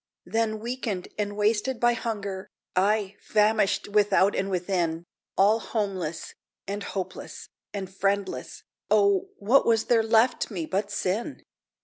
Then, weakened and wasted by hunger Ay, famished without and within All homeless, and hopeless, and friendless, O, what was there left me but sin?